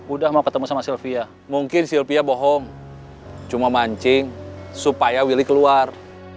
udah mau ketemu sama sylvia mungkin sylvia bohong cuma mancing supaya willy keluar